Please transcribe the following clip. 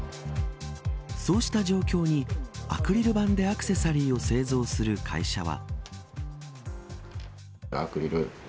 そうした状況にアクリル板でアクセサリーを製造する会社は。